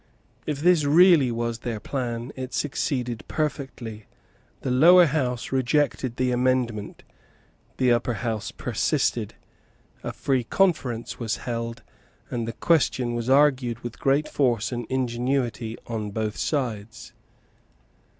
If this really was their plan, it succeeded perfectly. The Lower House rejected the amendment; the Upper House persisted; a free conference was held; and the question was argued with great force and ingenuity on both sides.